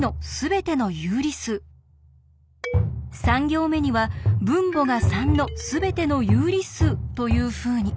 ３行目には分母が３のすべての有理数というふうに。